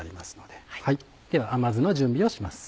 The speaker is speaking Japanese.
では甘酢の準備をします。